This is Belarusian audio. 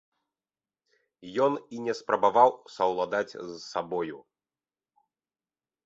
Ён і не спрабаваў саўладаць з сабою.